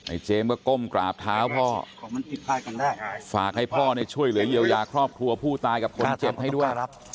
เจมส์ก็ก้มกราบเท้าพ่อฝากให้พ่อเนี่ยช่วยเหลือเยียวยาครอบครัวผู้ตายกับคนเจ็บให้ด้วย